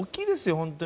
本当に。